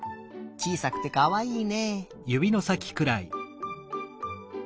ちいさくてかわいいね。